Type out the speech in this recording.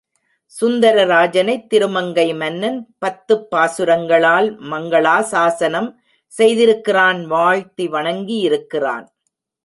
சுந்தரராஜனைத் திருமங்கை மன்னன் பத்துப் பாசுரங்களால் மங்களாசாஸனம் செய்திருக்கிறான் வாழ்த்தி வணங்கியிருக்கிறான்.